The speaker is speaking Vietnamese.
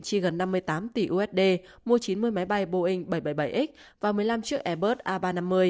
chi gần năm mươi tám tỷ usd mua chín mươi máy bay boeing bảy trăm bảy mươi bảy x và một mươi năm chiếc airbus a ba trăm năm mươi